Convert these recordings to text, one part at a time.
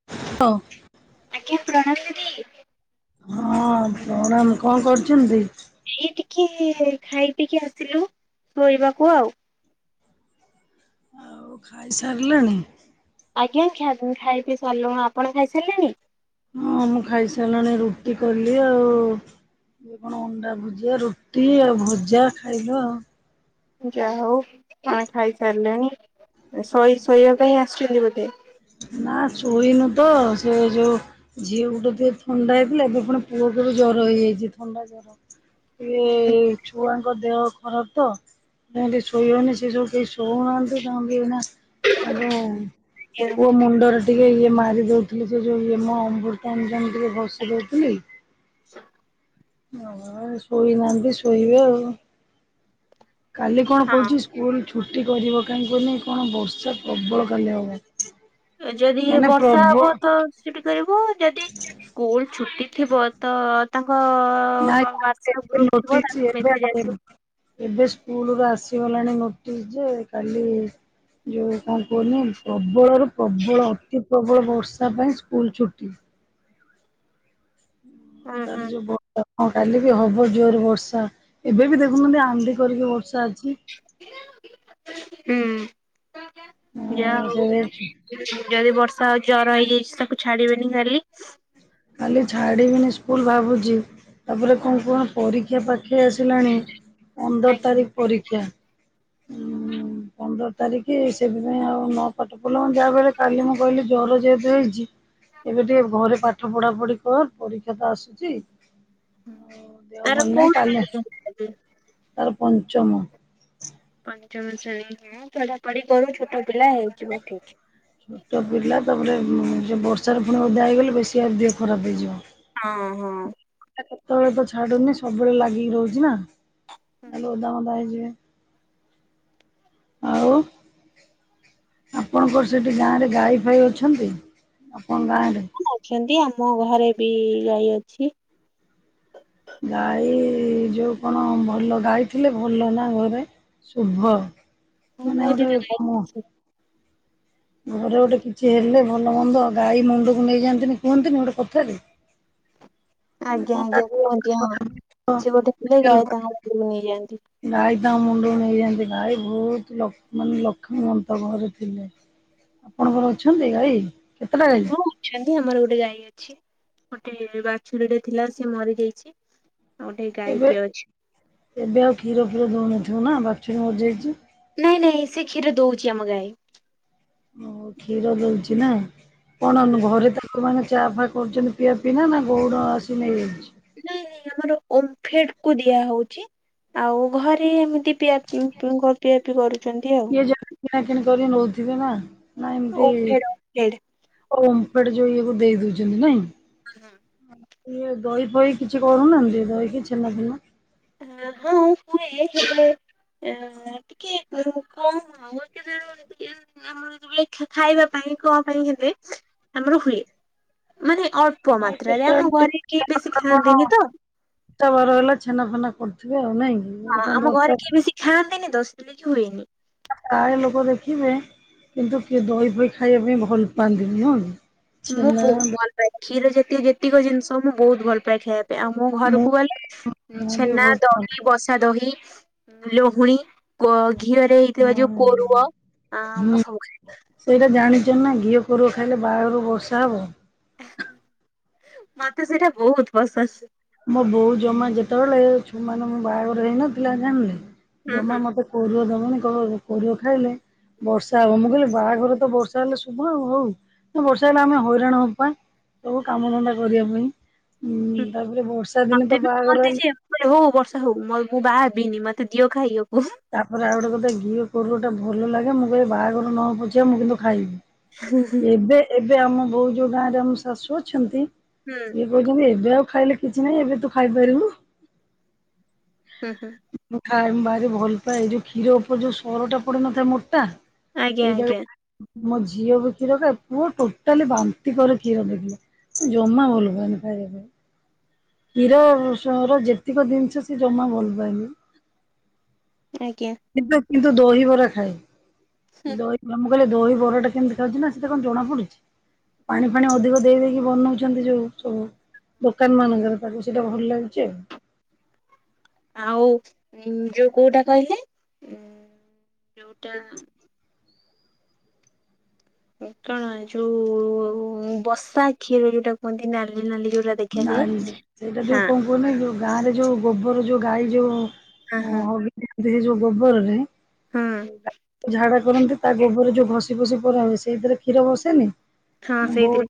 [unintelligible] ଆଜ୍ଞା ପ୍ରଣାମ ଦିଦି। ହଁ ପ୍ରଣାମ କଣ କରୁଛନ୍ତି? ଏଇ ଟିକେ ଖାଇ ପିଇକି ଆସିଲୁ ଶୋଇବାକୁ ଆଉ ଆଉ ଖାଇସାରିଲଣି? ଆଜ୍ଞା ଖାଇ ପି ସାରିଲୁଣି, ଆପଣ ଖାଇସାରିଲେଣି? ହଁ ମୁଁ ଖାଇସାରିଲାଣି, ରୁଟି କଲି ଆଉ ୟେ କଣ ଅଣ୍ଡା ଭୁଜିଆ, ରୁଟି ଆଉ ଭଜା ଖାଇଲ ଯାହା ହଉ କଣ ଖାଇସାରିଲାଣି ଶୋଇ ଶୋଇବା ପାଇଁ ଆସିଛନ୍ତି ବୋଧେ ନା ଶୋଇନୁ ତ ସେ ଯୋଉ ଝିଅକୁ ଟିକେ ଥଣ୍ଡା ହେଇଥିଲା, ଏବେ ପୁଣି ପୁଅ କୁ ଜର ହେଇଯାଇଛି, ଥଣ୍ଡା ଜର ଛୁଆଙ୍କ ଦେହ ଖରାପ ତ? ଶୋଇହଉନି ସେ ସବୁ କେହି ଶୋଇଉନାହାନ୍ତି [unintelligible] ପୁଅ ମୁଣ୍ଡରେ ଟିକେ ଇଏ ମାରି ଦଉଥିଲି, ସେ ଯୋଉ ଇଏ ମ ଅମବୃତଅଜାମ ଟିକେ ଘସି ଦଉଥିଲି। ଅ ହଉ ଶୋଇନାହାନ୍ତି ଶୋଇବେ ଆଉ। କାଲି କଣ ହଁ କହୁଛି ସ୍କୁଲ ଛୁ ଛୁଟି କରିବ କାହିଁ କହନି କଣ ବର୍ଷା ପ୍ରବଳ କାଲି ହବ। ଯଦି ଇଏ ମାନେ ବର୍ଷା ପ୍ରବ ହବ ତ ଶିଫ୍ଟି କରିବ ଯଦି ସ୍କୁଲ ଛୁଟି ଥିବ ତ ତାଙ୍କ ନାଇଁ ହ୍ୱାଟସଆପ ଗ୍ରୁପ [unintelligible] ଥିବ ନୋଟିସି ତାପରେ ଏବେ ମେସେଜ ଆସିବ। [unintelligible] ଏବେ ସ୍କୁଲରୁ ଆସିଗଲାଣି ନୋଟିସ୍ ଯେ କାଲି ଯେଉ କଣ କହୁନି ପ୍ରବଳରୁୁ ପ୍ରବଳ ଅତି ପ୍ରବଳ ବର୍ଷା ପାଇଁ ସ୍କୁଲ ଛୁଟି। ତାର ଯୋଉ ବ ହଁ କାଲି ବି ହବ ଜୋରେ ବର୍ଷା ଏବେ ବି ଦେଖୁନାହାଁନ୍ତି ହାଣ୍ଡି କରିକି ବର୍ଷା ଅଛି। ହୁଁ ଆ ଯା ହଉ। ସେ ଯଦି ବର୍ଷା ଆଉ ଜର ହେଇଯାଇଛି ତାକୁ ଛାଡିବେନି କାଲି। କାଲି ଛାଡ଼ିବିନି ସ୍କୁଲ ଭାବୁଛି ତାପରେ କଣ କୁହନି ପରୀକ୍ଷା ପାଖ ଖେଇ ଆସିଲାଣି ପନ୍ଦର ତାରିଖ ପରୀକ୍ଷା ଉଁ। ପନ୍ଦର ତାରିଖି ସେଥିପାଇଁ ଆଉ ନ ପାଠ ପଢ଼ିଲେ ହବନି ଯାହା ବି ହେଲେ କାଲି ମୁଁ କହିଲି ଜର ଯେହେତୁ ହେଇଛି ଏବେ ଟିକେ ଘରେ ପାଠ ପଢା ପଢି କର ପରୀକ୍ଷା ତ ଆସୁଛି ଓ ଦେହ ତାର ଭଲ କୋଉ ନାହିଁ କାଲି ଶ୍ରେଣୀ ତାର ପଞ୍ଚମ। ପଞ୍ଚମ ଶ୍ରେଣୀ ହଉ ପଢା ପଢି କରୁ ଛୋଟ ପିଲା ହେଇଯିବ ଠିକ। ଛୋଟ ପିଲା ତାପରେ ଉଁ ଯେ ବର୍ଷାରେ ପୁଣି ଓଦା ହେଇଗଲେ ବେଶୀ ଆ ଦେହ ଖରାପ ହେଇଯିବ। ହଁ ହଁ। ତାକୁ କେତେବେଳେ ତ ଛାଡୁନି ସବୁବେଳେ ଲାଗିକି ରହୁଛି ନା। ନ ହେଲେ ଓଦା ମୋଦା ହେଇଯିବେ ଆଉ ଆପଣଙ୍କର ସେଠି ଗାଁରେ ଗାଈ ଫାଈ ଅଛନ୍ତି ଆପଣଙ୍କ ଗାଁରେ? ଛନ୍ତି ଆମ ଘରେ ବି ଗାଈ ଅଛି। ଗାଈ ଯୋଉ କଣ ଭଲ ଗାଈଥିଲେ ଭଲ ନା ଘରେ? ଶୁଭ ହଁ ମାନେ କୁହନ୍ତି ତ ଗୋଟେ ଗାଈ ମ ଅଛି। ଘରେ ଗୋଟେ କିଛି ହେଲେ ଭଲ ମନ୍ଦ ଗାଈ ମୁଣ୍ଡକୁ ନେଇଯାଆନ୍ତିନି କୁହନ୍ତିନି ଗୋଟେ କଥାରେ ମାନେ ଆଜ୍ଞା କଣ ଆଜ୍ଞା କାଟିବ କୁହନ୍ତି ହଁ କିଛି ଗୋଟେ ଥିଲେ ଗାଈ ତାଙ୍କ ଦେହକୁ ନେଇଯାଆନ୍ତି। ଗାଈ ତାଙ୍କ ମୁଣ୍ଡକୁ ନେଇଯାଆନ୍ତି ଗାଈ ଭଉତ ଲଖ୍ ମାନେ ଲକ୍ଷ୍ମୀବନ୍ତ ଘରେ ଥିଲେ। ଆପଣଙ୍କର ଅଛନ୍ତି ଗାଈ କେତେଟା ଗାଈ? ହଁ ଅଛନ୍ତି ଆମର ଗୋଟେ ଗାଈ ଅଛି ଗୋଟେ ବାଛୁୁରୀଟେ ଥିଲା ସେ ମରି ଯାଇଛି। ଆଉ ଗୋଟିଏ ଏବେ ଗାଈଟିଏ ଅଛି। ଏବେ ଆଉ କ୍ଷୀର ଫିର ଦଉନଥିବ ନା ବାଛୁରୀ ମରି ଯାଇଛି? ନାଇଁ ନାଇଁ ସିଏ କ୍ଷୀର ଦଉଛି ଆମ ଗାଈ। ଓ ହୋ କ୍ଷୀର ଦଉଛି ନା କଣ [unintelligible] ହୁଁ ଘରେ ଦ ସେମାନେ ଚାଫା କରୁଛନ୍ତି ପିଆ ପିଇ ନା ନା ଗଉଡ଼ ଆସି ନେଇଯାଉଛି? ନାଇଁ ନାଇଁ ଆମର ଓମ୍ଫେଡ କୁ ଦିଆହଉଛି। ଆଉ ଘରେ ଏମିତି ପିଆ ଉଁ ପିଉଁ କର ପିଆ ପିଇ କରୁଛନ୍ତି ଆଉ। [unintelligible] କିଣା କିିଣି କରି ନଉଥିବେ ନା ନା ଏମତି ଓମ୍ଫେଡ ଓମ୍ଫେଡ। ଓମଫେଡ ଯୋଉ ଇଏକୁ ଦେଇ ଦଉଛନ୍ତି ନାଇଁ। ହୁଁ। ଇଏ ଦହି ପହି କିଛି କରୁନାହାନ୍ତି ଦହି କି ଛେନା ଫେନା? ହ ହଁ ହୁଏ ହେଲେ ଏ ହ ଟିକେ କମ୍ ଆଉ ବାକି ଦିନରେ [unintelligible] ଆମର ଯେତବେଳେ ଖା ଖା ଖାଇବା ପାଇଁ କଁ ପାଇଁ ହେଲେ ଆମର ହୁଏ। ମାନେ ଅଳ୍ପ ହଁ ମାତ୍ରାରେ ଆମ କେତେବେଳେ ଘରେ କେହି ବେଶୀ ଖାଆନ୍ତିନି ତ। ତୋ ଘରବାଲା ଛେନା ଫେନା କରୁଥିବେ ଆଉ ନାଇଁ କି? ଗୋଟେ ହଁ କଣ ଆମ ଘରେ ଦରକାର କିଏ ବେଶୀ ଖାଆନ୍ତିନି ତ ସେଥିଲାଗି ହୁଏନି। ପ୍ରାୟ ଲୋକ ଦେଖିବେ କିନ୍ତୁ କିଏ ଦହି ଫହି ଖାଇବା ପାଇଁ ଭଲ ପାଆନ୍ତିନି ନୁହଁକି? ମୁଁ ବହୁତ ଭଲ ପାଏ, କ୍ଷୀର ଜାତୀୟ ଯେତିକ ଜିନିଷ ମୁଁ ବହୁତ ଭଲ ପାଏ ଖାଇଆ ଆଉ ମୁଁ ଘରକୁ ଗଲେ ମୁଁ ବି ଛେନା ବହୁତ ଭଲ ଦହି ବସା ଦହି ଲହୁଣୀ କ୍ୱ ଘିଅରେ ହେଇଥିବା ଯୋଉ କୋରୁଅ ଆଁ ହୁଁ ମୁଁ ସବୁ ଖାଏ। ସେଇଟା ଜାଣିଛନା ଘିଅ କୋରୁଅ ଖାଇଲେ ବାହାଘରକୁ ବର୍ଷା ହବ। ମତେ ସେଇଟା ବହୁତ ପସନ୍ଦ। ମୋ ବୋଉ ଜମା ଯେତେବେଳେ ଛୁ ମାନେ ମୋ ବାହାଘର ହେଇନଥିଲା ଜାଣିଲେ ହୁଁ ଜମା ହୁଁ ମତେ କୋରୁଆ ଦବନି କହିଵ କୋରୁଅ ଖାଇଲେ ବର୍ଷା ହବ ମୁଁ କହିଲି ବାହାଘର ତ ବର୍ଷା ହେଲେ ଶୁଭ ଆଉ ହଉ। ନା ବର୍ଷା ହେଲେ ଆମେ ହଇରାଣ ହବା ସବୁ କାମଧନ୍ଦା କରିବା ପାଇଁ ଉଁ ତାପରେ ବର୍ଷା ଦିନେ ମତେ ତ ବି ବାହାଘର କୁହନ୍ତି ହେଲା। ଯେ ମୁଁ ହଉ ବର୍ଷା ହଉ ମ ମୁଁ ବାହା ହେବିନି, ମତେ ଦିଅ ଖାଇବାକୁ। ତାପରେ ଆଉ ଗୋଟେ କଥା ଘିଅ କୋରୁଅଟା ଭଲ ଲାଗେ ମୁଁ କହେ ବାହାଘର ନ ହଉ ପଛେ ମୁଁ କିନ୍ତୁ ହୁଁ ହୁଁ ଖାଇବି। ଏବେ ଏବେ ଆମ ବୋଉ ଯୋଉ ଗାଁରେ ଆମ ଶାଶୁ ଅଛନ୍ତି ହୁଁ। ଇଏ କହୁଛନ୍ତି ଏବେ ଆଉ ଖାଇଲେ କିଛି ନାହିଁ, ଏବେ ତୁ ଖାଇପାରିବୁ। ହୁଁ ହୁଁ। ମୁଁ ଖାଏ ମୁଁ ଭାରି ଭଲ ପାଏ, ଯୋଉ କ୍ଷୀର ଉପରେ ଯୋଉ ସରଟା ପଡି ନଥାଏ ମୋଟା? ଆଜ୍ଞା ଆଜ୍ଞା। ସେଇଟାକୁ ମୋ ଝିଅ ବି କ୍ଷୀର ଖାଏ, ପୁଅ ଟୋଟାଲି ବାନ୍ତି କରେ କ୍ଷୀର ଦେଖିଲେ। ସେ ଜମା ଭଲ ପାଏନି ଖାଇବା ପାଇଁ। କ୍ଷୀର ସର ଯେତିକ ଜିନିଷ ସେ ଜମା ଭଲ ପାଏନି। ଆଜ୍ଞା। କିନ୍ତୁ କିନ୍ତୁ ଦହିିବରା ଖାଏ, ହୁଁ ହୁଁ ଦଇ ମୁଁ କହିଲି ଦହିବରାଟା କେମିତି ଖାଉଛୁ ନା, ସେଥିରେ କଣ ଜଣାପଡୁଛି? ପାଣି ଫାଣି ଅଧିକ ଦେଇ ଦେଇକି ବନଉଛନ୍ତି ଯୋଉ ସବୁ ଦୋକାନ ମାନଙ୍କରେ। ତାକୁ ସେଇଟା ଭଲ ଲାଗୁଚି ଆଉ। ଆଉ ଉଁ ଯୋଉ କୋଉଟା କହିଲେ ଉଁ ଯୋଉଟା କଣ ଯୋଉ ବସା ଖିରି ଯୋଉଟା କୁହନ୍ତି ନାଲି ନାଲି ଯୋଉଟା ଦେଖାଯାଏ। ନାଇଁ ସେଇଟା ଯୋଉ ହଁ କ କୁହନହି ଯୋଉ ଗାଁରେ ଯୋଉ ଗୋବର ଯୋଉ ଗାଈ ହଁ ଯୋଉ ହଁ। ହଗିନ୍ତି ଯୋଉ ଗୋବରରେ। ହଁ ଗାଈ ଝାଡା କରନ୍ତି ତା ଗୋବରରେ ଯୋଉ ଘଷି ଫସି ପରା ହୁଏ ସେଇଥିରେ କ୍ଷୀର ବସେନି? ହଁ ମୋ ବୋଉ ସେଇଥିରେ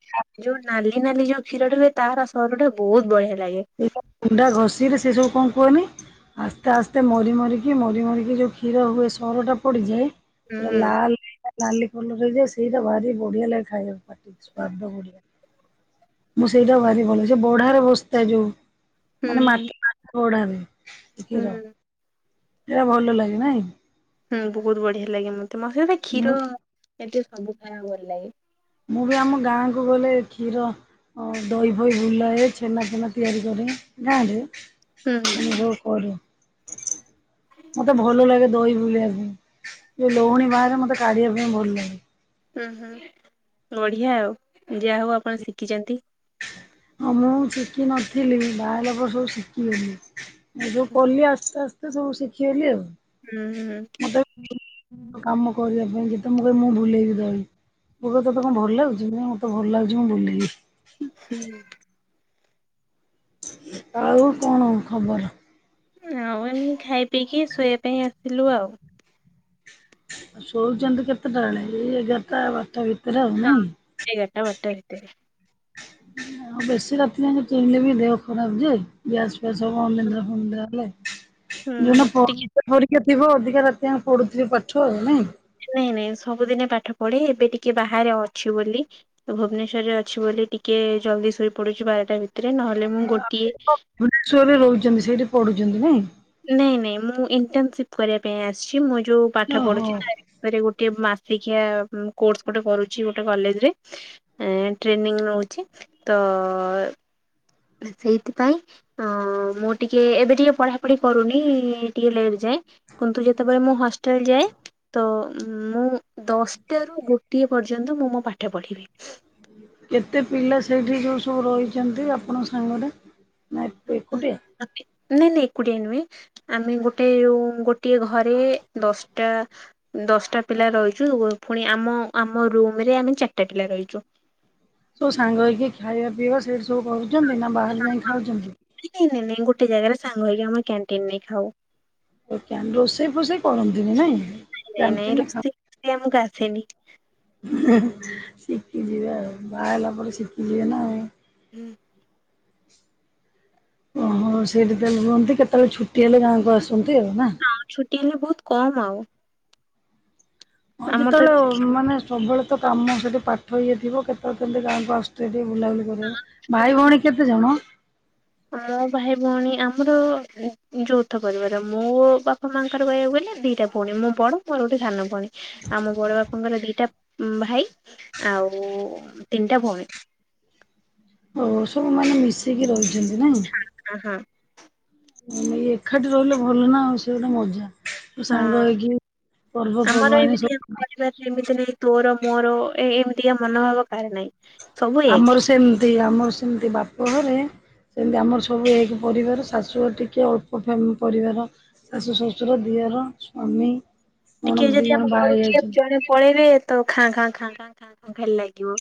ଯୋଉ ନାଲି ନାଲି ଯୋଉ କ୍ଷୀରଟା ହୁଏ ତାର ସରଟା ବହୁତ ବଢିଆ ଲାଗେ। ସେ ଗୁଣ୍ଡା ଘଷି ରେ ସେ ସବୁ କଣ କୁହନି। ଆସ୍ତେ ଆସ୍ତେ ମରି ମରିକି ମରି ମରିକି ଯୋଉ କ୍ଷୀର ହୁଏ ସରଟା ପଡିଯାଏ। ହୁଁ ପୁରା ହୁଁ। ଲାଲ ନାଲି କଲର ହେଇଥିବ ସେଇଟା ଭାରି ବଢିଆ ଲାଗେ ଖାଇବାକୁ ପାଟିକୁ ସ୍ଵାଦ ବଢିଆ। ମୁଁ ସେଇଟା ଭାରି ଭଲ, ସେ ବଢାରେ ବସ ଟା ଯୋଉ ହୁଁ। ମାନେ ମାଟି [unintelligible] କ୍ଷୀର। ହୁଁ। ଟା ଭଲ ଲାଗେ ନାଇଁ? ହୁଁ ବହୁତ ବଢିଆ ଲାଗେ, ମତେ ମତେ ତ କ୍ଷୀର ମୁଁ ଜାତୀୟ ସବୁ ଖାଇଆକୁ ଭଲ ଲାଗେ। ମୁଁ ବି ଆମ ଗାଁକୁ ଗଲେ କ୍ଷୀର ଦହି ଫହି ବୁଲାଏ, ଛେନା ଫେନା ତିଆରି କରେ ଗାଁ ରେ। ହୁଁ ମାନେ ଯୋଉ କରେ ମତେ ଭଲ ଲାଗେ ଦହି ବୁଲେଇବାକୁ, ଯୋଉ ଲହୁଣୀ ବାହାରେ ମତେ କାଢିବା ପାଇଁ ଭଲ ଲାଗେ। ହୁଁ ହୁଁ ବଢିଆ ଆଉ, ଯାହା ହଉ ଆପଣ ଶିଖିଛନ୍ତି। ମୁଁ ଶିଖିିନଥିଲି ବାହା ହେଲା ପରେ ସବୁ ଶିଖିଗଲି। ମୁଁ ଯୋଉ କଲି ଆସ୍ତେ ଆସ୍ତେ ସବୁ ଶିଖିଗଲି ଆଉ। ହୁଁ ହୁଁ। ମତେ କାମ କରିବା ପାଇଁ କେତେ ମୁଁ କହିଲ ମୁଁ ଭୁଲେଇବି ଦହି। ବୋଉ କହିବ ତତେ କଣ ଭଲ ଲାଗୁଛି, ମୁଁ ମତେ ଭଲ ଲାଗୁଛି ମୁଁ ବୁଲେଇବି। ହୁଁ। ଆଉ କଣ ଖବର? ଆଉ ଏମି ଖାଇ ପିଇକି ଶୋଇବା ପାଇଁ ଆସିଲୁ ଆଉ ଆଉ ଶୋଉଛନ୍ତି କେତେଟା ବେଳେ ଏଇ ଏଗାରଟା ବାରଟା ଭିତରେ ଆଉ ହଁ ନାଇଁ। ଏଗାରଟା ବାରଟା ଭିତରେ।। ଆଉ ବେଶୀ ରାତି ଯାଏ ଚିଇଁଲେ ବି ଦେହ ଖରାପ ଯେ ଗ୍ୟାସ୍ ଫ୍ୟାସ୍ ହବ ଅନିଦ୍ରା ଫନିଦ୍ରା ହେଲେ ଯୋଉଦିନ ହୁଁ ଟିକେ ଫୋ ଟିକେ ଥିବ ଅଧିକା ରାତି ଆ ପଢୁଥିବେ ପାଠ ଆଉ ନାଇଁ। ନାଇଁ ନାଇଁ ସବୁଦିନେ ପାଠ ପଢ଼େ ଏବେ ଟିକେ ବାହାରେ ଅଛି ବୋଲି ଭୁବନେଶ୍ଵରରେ ଅଛି ବୋଲି ଟିକେ ଜଲ୍ଦି ଶୋଇ ପଡୁଛି ବାରଟା ଭିତରେ ନହେଲେ ମୁଁ ଗୋଟିଏ ଭ [inaudible] ରେ ରହୁଛନ୍ତି ସେଇଠି ପଢୁଛନ୍ତି ନାଇଁ। ନାଇଁ ନାଇଁ ମୁଁ ଇଣ୍ଟର୍ନସିପ୍ କରିବା ପାଇଁ ଆସିଛି ମୁୋ ଯେଉଁ ପାଠ ଓହୋ ପଢ଼ୁଛି ତାରି ଗୋଟେ ମାସିକିଆ କୋର୍ସ ଗୋଟେ କରୁଛି ଗୋଟେ କଲେଜରେ। ଏ ଟ୍ରେନିଂ ନଉଛି ତ ସେଇଥି ପାଇଁ। ହଁ ମୁଁ ଟିକେ ଏବେ ଟିକେ ପଢାପୁଢି କରୁନି ଟିକେ ଲେଟ୍ ଯାଏଁ। କିନ୍ତୁ ଯେତେବେଳେ ମୁଁ ହଷ୍ଟେଲ ଯାଏ ତ ମୁଁ। ଦଶଟା ର ଗୋଟିଏ ପର୍ଯ୍ୟନ୍ତ ମୁଁ ମୋ ପାଠ ପଢ଼ିବି। କେତେ ପିଲା ସେଇଠି ଯୋଉ ସବୁ ରହିଛନ୍ତି ଆପଣଙ୍କ ସାଙ୍ଗରେ ନା ହୁଁ। ଏକୁଟିଆ? ନାଇଁ ନାଇଁ ଏକୁଟିଆ ନୁହେଁ ଆମେ ଗୋଟେ ରୁମ୍ ଗୋଟିଏ ଘରେ ଦଶ୍ଟା ଦଶଟା ପିଲା ରହିଛୁ ପୁଣି ଆମ ଆମ ରୁମ୍ରେ ଆମେ ଚାରିଟା ପିଲା ରହିଛୁ। ସବୁ ସାଙ୍ଗ ହେଇକି ଖାଇବା ପିଇବା ସେଇଠି ସବୁ କରୁଛନ୍ତି ନା ବାହାରେ ଯାଇ ଖାଉଛନ୍ତି? ନାଇଁ ନାଇ ନାଇଁ ଗୋଟେ ଜାଗାରେ ସାଙ୍ଗ ହେଇକି ଆମର କ୍ୟାଣ୍ଟିନ ନେ ଖାଉ। ଓ ରୋଷେଇ ଫୋଷେଇ କରନ୍ତିନି ନାଇଁ। ନେଇଁ ନେଇଁ କ୍ୟାଣ୍ଟିନରେ ଖାଉ ରୋଷେଇ କରିବା ମତେ ଆସେନି। ଶିଖିଯିବେ ଆଉ ବାହା ହେଲା ପରେ ଶିଖିଯିବେ ନା ଆଉ। ହୁଁ। ଓହୋ ସେଇଠି ତହେଲେ ହୁହନ୍ତି କେତେବେଳେ ଛୁଟି ହେଲେ ଗାଁକୁ ଆସନ୍ତି ଆଉ ନା? ଆଉ ଛୁଟି ହେଲେ ବହୁତ କମ୍ ଆଉ। ହଁ ଆମର ତ ଯେତେବେଳେ ଏବେ ମାନେ ସବୁବେଳେ କେତ କାମ ସେଠି ପାଠ ଇଏ ଥିବ କେତେବେଳେ କେମିତି ଗାଁକୁ ଆସୁ ଟିକେ ବୁଲାବୁଲି କରିବ ଛୁଟି ଭାଇ ଛୁ- ଭଉଣୀ କେତେ ଜମ [inaudible] ମୋ ଭାଇ ଭଉଣୀ ଆମର ଯୌଥ ପରିବାର ମୋ ବାପା ମାଆଙ୍କର କହିବାକୁ ଗଲେ ଦିଇଟା। ପୁଣି ମୁଁ ପୁଣି ମୋ ଗୋଟେ ସାନ ଭଉଣ ଆମ ବଡ ବାପାଙ୍କର ଦିଟା ଭାଇ ଆଉ ତିନିଟା ଭଉଣୀ। ଓ ସବୁ ମାନେ ମିଶିକି ରହିଛନ୍ତି ନାଇଁ। ଅଁ ହଁ। ଏକାଠି ରହିଲେ ଭଲ ନା ଆଉ ସେ ଗୁଟେ ମଜା। ସାଙ୍ଗ ହଁ ହେଇକି ପର୍ବପର୍ବାଣି ସବୁ ପରିବାର ସେମିତି ନାାଇଁ ତୋର ମୋର ଏ ଏମିତିକା ମନୋଭାବ କାହାର ନାହିଁ। ସବୁ ଏକ ଆମର ସେମିତି ଆମର ସେମିତି ବାପ ଘରେ ସେମିତି ଆମର ସବୁ ଏକ ପରିବାର ଶାଶୁ ଟିକେ ଅଳ୍ପ ଫେମି ପରିବାର। ଶାଶୁ ଶଶୁର ଦିଅର ସ୍ୱାମୀ। ଟିକେ ନଣନ୍ଦ ଦି ଯଦି ଜଣ ଆମ ବାହା ଘରୁ କିଏ ହେଇଯାଇଛନ୍ତି। ଜଣେ ପଳେଇବେ ତ ଖାଁ ଖାଁ ଖାଁ ଖାଁ ଖାଁ ଖାଁ ଖାଲି ଲାଗିବ।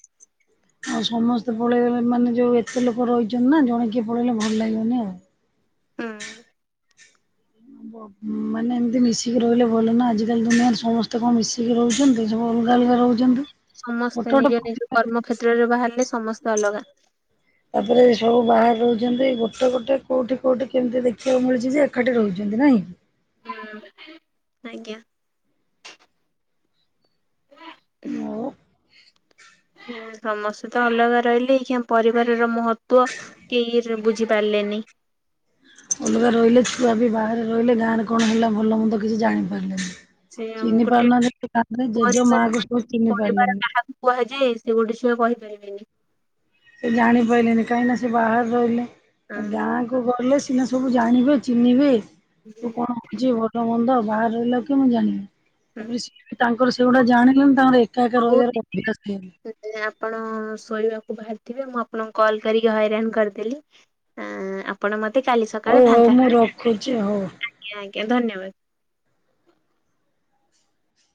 ଆଉ ସମସ୍ତେ ପଳେଇଲେ ମାନେ ଯୋଉ ଏତେ ଲୋକ ରହିଛନ୍ତି ନା ଜଣେ କିଏ ପଳେଇଲେ ଭଲ ଲାଗିବନି ଆଉ। ଉଁ [unintelligible] ମାନେ ଏମିତି ମିଶିକି ରହିଲେ ଭଲ ନା ଆଜିକାଲି ଦୁନିଆରେ ସମସ୍ତେ କଣ ମିଶିକି ରହୁଛନ୍ତି ସବୁ ଅଲଗା ଅଲଗା ରହୁଛନ୍ତି। ସମସ୍ତେ ଗୋଟେ ନିଜ ନିଜ ଗୋଟେ ପରିବାର କର୍ମ କ୍େତ୍ରରେ ବାହାରିଲେ ସମସ୍ତେ ଅଲଗା। ତାପରେ ସବୁ ବାହାରେ ରହୁଛନ୍ତି ଗୋଟେ ଗୋଟେ କୋଉଠି କୋଉଠି କେମିତି ଦେଖିବାକୁ ମିଳିଛି ଯେ ଏକାଠି ରହୁଛନ୍ତି ନାଇଁ। ହଁ ଆଜ୍ଞା କି? [inaudible] ସମସ୍ତେ ତ ଅଲଗା ରହିଲେ ଏଇ୍ ପରିବାର ର ମହତ୍ୱ। କେହି କିଛିଟା ବୁଝିପାରିଲେନି। ଅଲଗା ରହିଲେ ଛୁଆ ବି ବାହାରେ ରହିଲେ ଗାଁରେ କଣ ହେଲା ଭଲ ମନ୍ଦ କିଛି ଜାଣିପାରିଲେନି। ସେ ଆମ ଚିହିଁ [unintelligible] ଗୋଟେ ପାରୁନା ଦରେ ଯେ ଯଉ ମାକୁଛ ଚିନି ପ ଲେନ୍ତି କୁହାଯା ସେ ଗୋଟେ ସୟ କହିପାରିବେନି [unintelligible] ସେ ଜାଣିପାରିଲେନି କାହିଁକି ସେ ବାହାରେ ରହିଲେ ହଁ ଗାଁ ତୁ ଗଲେ ସିନା ସବୁ ଜାଣିବେ ଚିହ୍ନିବେ ତୁ କଣ- ଆଛି ଭଲ ମନ୍ଦ ବାହାର ରହିଲା କି ମୁଁ ଜାଣିଵେ। ହଉ ତାପରେ ତାଙ୍କର ସେଗୁଡା ଜାଣିଲେଣି ତାଙ୍କର- କାଁକ ରହିବାର [unintelligible] ଆପଣ ଶୋଇବାକୁ ବାହାରିଥିବେ। ମୁଁ ଆପଣଙ୍କୁ କଲ୍ କରିକି ହଇରାଣ କରିଦେଲି। ହଁ ଆଁ [inaudible] ଆପଣ ମତେ କାଲି - ହଉ ହଉ ମୁଁ ରଖୁଛି ହଉ। ଆଜ୍ଞ ଆଜ୍ଞା ଧନ୍ୟବାଦ।